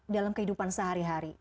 dalam kehidupan sehari hari